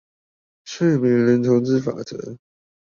睡美人投資法則